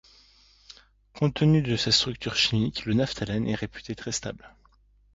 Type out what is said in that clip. Compte tenu de sa structure chimique le naphtalène est réputé très stable.